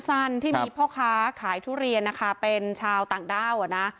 ที่มีพ่อค้าขายทุเรียนนะคะเป็นชาวต่างด้าวอ่ะนะ